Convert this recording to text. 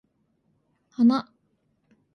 花